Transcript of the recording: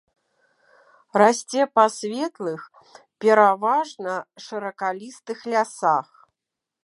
Расце па светлых, пераважна шыракалістых лясах.